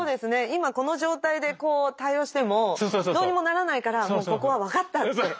今この状態でこう対応してもどうにもならないからもうここは「分かった」って。